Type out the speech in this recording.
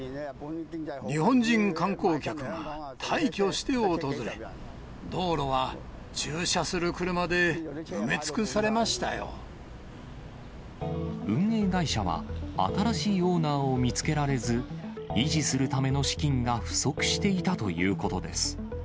日本人観光客が大挙して訪れ、道路は駐車する車で埋め尽くされ運営会社は、新しいオーナーを見つけられず、維持するための資金が不足していたということです。